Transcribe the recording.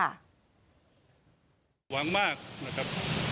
หวังมากนะครับ